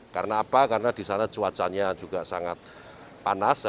karena apa karena di sana cuacanya juga sangat panas